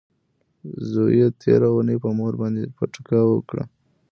زوی یې تیره اونۍ په مور باندې پټکه وکړه.